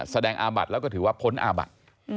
อาบัติแล้วก็ถือว่าพ้นอาบัติ